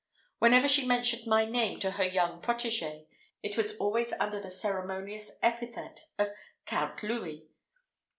Whenever she mentioned my name to her young protégée, it was always under the ceremonious epithet of Count Louis.